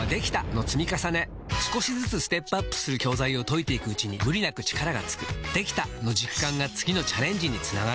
少しずつステップアップする教材を解いていくうちに無理なく力がつく「できた！」の実感が次のチャレンジにつながるよし！